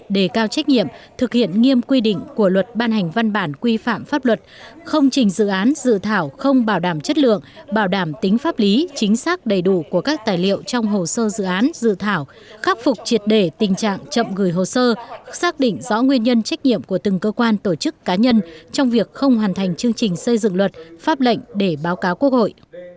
trách nhiệm thực hiện nghiêm quy định của luật ban hành văn bản quy phạm pháp luật không chỉnh dự án dự thảo không bảo đảm chất lượng bảo đảm tính pháp lý chính xác đầy đủ của các tài liệu trong hồ sơ dự án dự thảo khắc phục triệt đề tình trạng chậm gửi hồ sơ xác định rõ nguyên nhân trách nhiệm của từng cơ quan tổ chức cá nhân trong việc không hoàn thành chương trình xây dựng luật pháp lệnh để báo cáo quốc hội